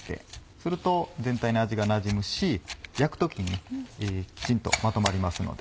すると全体に味がなじむし焼く時にきちんとまとまりますので。